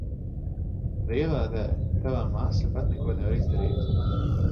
Dieva dēļ, tava māsa pati neko nevar izdarīt.